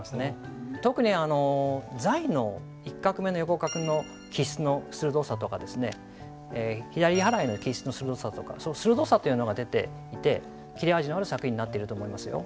特に「在」の１画目の横画の起筆の鋭さとか左払いの起筆の鋭さとかその鋭さというのが出ていて切れ味のある作品になっていると思いますよ。